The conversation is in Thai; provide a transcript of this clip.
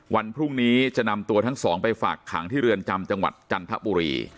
วันพรุ่งนี้จะนำตัวทั้งสองไปฝากขังที่เรือนจำจังหวัดจันทบุรี